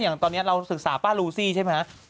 อย่างตอนนี้เราศึกษาป้ารูซี่ใช่ไหม